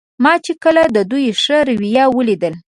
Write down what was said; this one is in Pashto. ما چې کله د دوی ښه رویه ولیدله.